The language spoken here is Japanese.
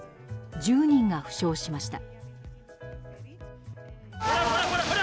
１０人が負傷しました。